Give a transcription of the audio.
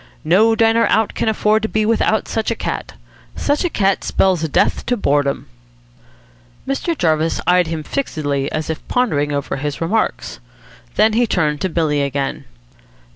No diner out can afford to be without such a cat. Such a cat spells death to boredom." Mr. Jarvis eyed him fixedly, as if pondering over his remarks. Then he turned to Billy again.